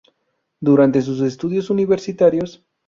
Durante sus estudios universitarios.